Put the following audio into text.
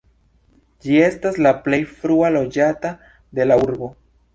Ĝi estas la plej frua loĝata de la urbo.